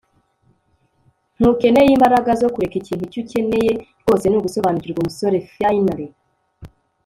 ntukeneye imbaraga zo kureka ikintu icyo ukeneye rwose ni ugusobanukirwa - umusore finley